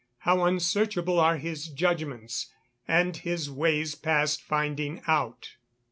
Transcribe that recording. how unsearchable are his judgments, and his ways past finding out."